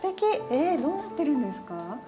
えどうなってるんですか？